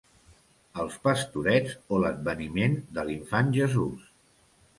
Els Pastorets o l'adveniment de l'Infant Jesús.